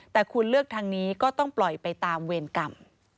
แต่คุณเลือกทางนี้ก็ต้องปล่อยไปตามเวรกรรม